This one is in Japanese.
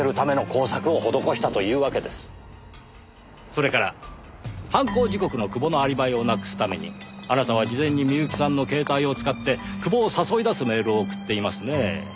それから犯行時刻の久保のアリバイを無くすためにあなたは事前に深雪さんの携帯を使って久保を誘い出すメールを送っていますねぇ。